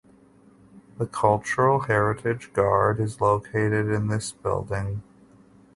The Cultural Heritage Guard is located in this building.